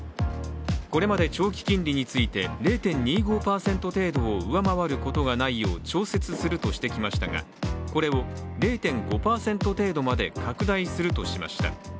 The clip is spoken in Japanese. これまで長期金利について０．２５％程度を上回ることがないよう調節するとしてきましたがこれを０．５％程度まで拡大するとしました。